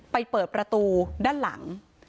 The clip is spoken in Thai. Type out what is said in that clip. เปิดประตูด้านหลัง